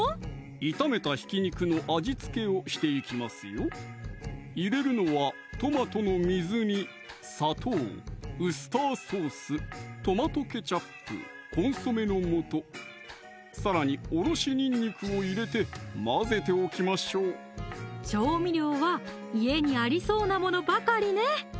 炒めたひき肉の味付けをしていきますよ入れるのはトマトの水煮・砂糖・ウスターソース・トマトケチャップ・コンソメの素さらにおろしにんにくを入れて混ぜておきましょう調味料は家にありそうなものばかりね